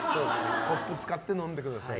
コップ使って飲んでください。